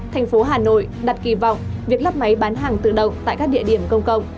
tp hà nội đặt kỳ vọng việc lắp máy bán hàng tự động tại các địa điểm công cộng